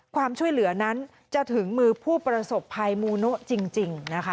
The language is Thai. ความช่วยเหลือนั้นจะถึงมือผู้ประสบภัยมูโนะจริงนะคะ